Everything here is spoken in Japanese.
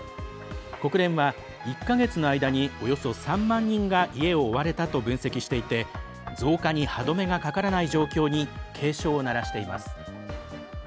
国連は１か月の間におよそ３万人が家を追われたと分析していて増加に歯止めがかからない状況に警鐘を鳴らしています。